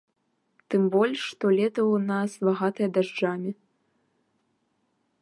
Тым больш, што лета ў нас багатае дажджамі.